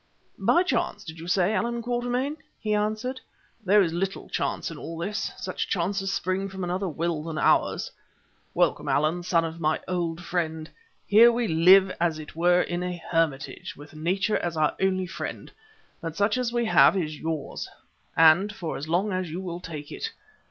"By chance, did you say, Allan Quatermain?" he answered. "There is little chance in all this; such chances spring from another will than ours. Welcome, Allan, son of my old friend. Here we live as it were in a hermitage, with Nature as our only friend, but such as we have is yours, and for as long as you will take it.